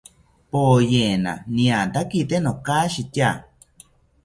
Poyena niatakite nokashitya